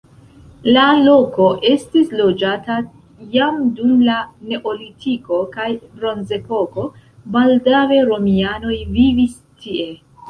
La loko estis loĝata jam dum la neolitiko kaj bronzepoko, baldaŭe romianoj vivis tie.